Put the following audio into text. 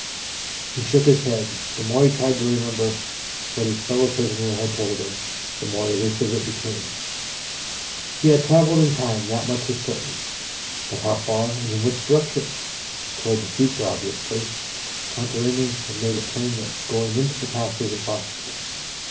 He shook his head. The more he tried to remember what his fellow prisoner had told him, the more elusive it became. He had traveled in time, that much was certain, but how far, and in which direction? Toward the future, obviously; Contarini had made it plain that going into the past was impossible.